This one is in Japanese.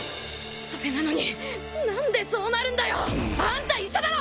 それなのに何でそうなるんだよ。あんた医者だろ！？